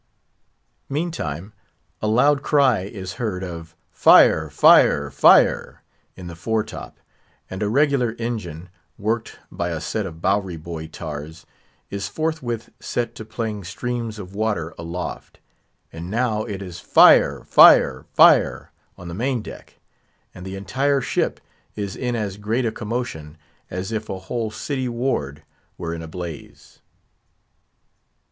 Meantime, a loud cry is heard of "Fire! fire! fire!" in the fore top; and a regular engine, worked by a set of Bowery boy tars, is forthwith set to playing streams of water aloft. And now it is "Fire! fire! fire!" on the main deck; and the entire ship is in as great a commotion as if a whole city ward were in a blaze.